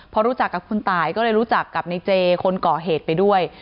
พอรู้จักกับคุณตายก็เลยรู้จักกับในเจคนก่อเหตุไปด้วย